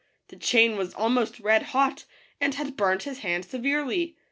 The chain was almost red hot, and had burnt his hand severely.